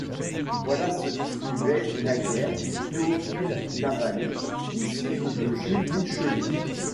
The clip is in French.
Voilà ce qu'écrivait naguère Théophile Lavallée, disciple de Jules Michelet.